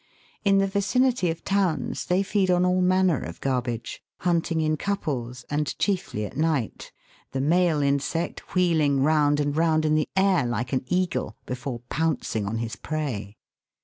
217 In the vicinity of towns they feed on all manner of garbage, hunting in couples and chiefly at night, the male insect wheeling round and round in the air like an eagle before pouncing on his prey.